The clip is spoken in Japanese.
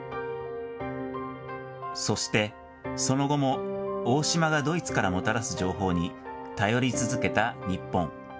そして、その後も大島がドイツからもたらす情報に頼り続けた日本。